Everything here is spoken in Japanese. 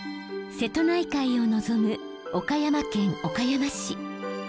瀬戸内海を望む岡山県岡山市。